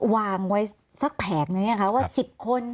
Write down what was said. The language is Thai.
วางไว้สักแผงในนี้ค่ะว่า๑๐คน